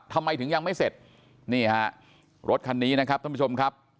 ทำไมถึงยังไม่เสร็จนี่ฮะรถคันนี้นะครับท่านผู้ชมครับ